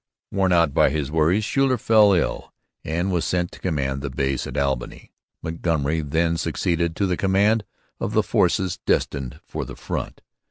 Worn out by his worries, Schuyler fell ill and was sent to command the base at Albany. Montgomery then succeeded to the command of the force destined for the front.